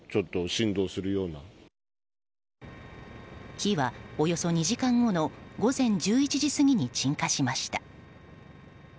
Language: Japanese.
火は、およそ２時間後の午前１１時過ぎに鎮火しました。